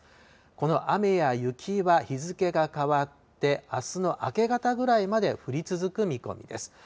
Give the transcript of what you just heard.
この雨や雪は日付が変わってあすの明け方ぐらいまで降り続く見込みです。